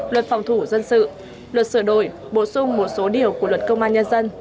luật phòng thủ dân sự luật sửa đổi bổ sung một số điều của luật công an nhân dân